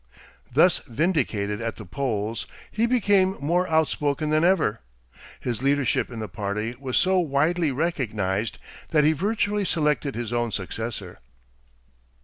Thus vindicated at the polls, he became more outspoken than ever. His leadership in the party was so widely recognized that he virtually selected his own successor.